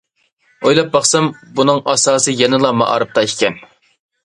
ئويلاپ باقسام، بۇنىڭ ئاساسى يەنىلا مائارىپتا ئىكەن.